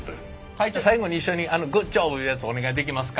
会長最後に一緒にグッジョブいうやつお願いできますか？